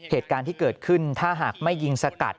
เหตุการณ์ที่เกิดขึ้นถ้าหากไม่ยิงสกัด